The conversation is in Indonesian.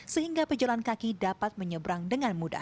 sehingga penjalan kaki dapat menyebrang dengan mudah